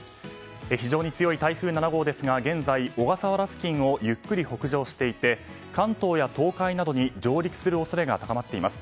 非常に強い台風７号ですが現在、小笠原付近をゆっくり北上していて関東や東海などに上陸する恐れが高まっています。